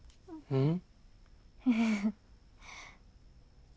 うん。